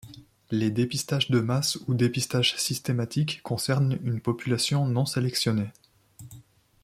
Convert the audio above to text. Les dépistages de masse ou dépistages systématiques concernent une population non sélectionnée.